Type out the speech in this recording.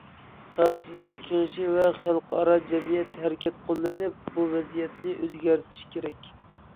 خەۋپسىزلىك كېڭىشى ۋە خەلقئارا جەمئىيەت ھەرىكەت قوللىنىپ بۇ ۋەزىيەتنى ئۆزگەرتىشى كېرەك.